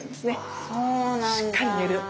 しっかり寝る。